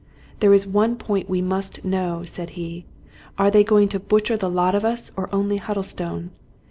" There is one point that we must know," said he. " Are they going to butcher the lot of us, or only Huddlestone?